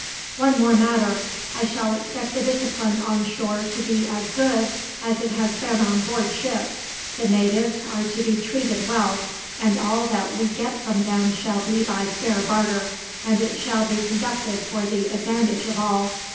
"One more matter: I shall expect the discipline on shore to be as good as it has been on board ship. The natives are to be treated well, and all that we get from them shall be by fair barter, and it shall be conducted for the advantage of all.